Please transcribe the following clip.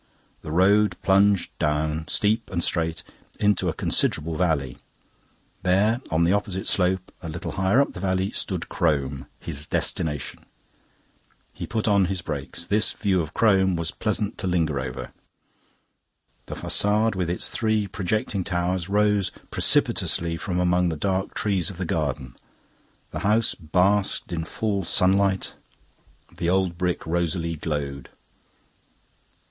The road plunged down, steep and straight, into a considerable valley. There, on the opposite slope, a little higher up the valley, stood Crome, his destination. He put on his brakes; this view of Crome was pleasant to linger over. The facade with its three projecting towers rose precipitously from among the dark trees of the garden. The house basked in full sunlight; the old brick rosily glowed.